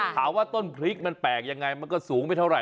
คุยว่าต้นพริกมันแปลกยังไงมันก็สูงไปเท่าไร